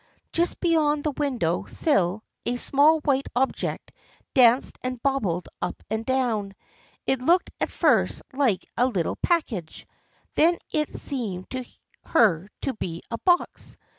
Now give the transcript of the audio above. Just beyond the window sill a small white object danced and bobbed up and down. It looked at first like a little package. Then it seemed to her to be a box.